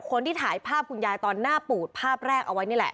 คนที่ถ่ายภาพคุณยายตอนหน้าปูดภาพแรกเอาไว้นี่แหละ